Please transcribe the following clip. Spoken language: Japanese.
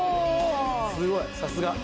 すごいさすが。